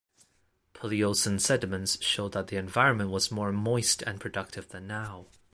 Pliocene sediments show that the environment was more moist and productive than now.